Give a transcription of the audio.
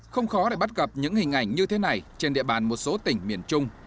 không khó để bắt gặp những hình ảnh như thế này trên địa bàn một số tỉnh miền trung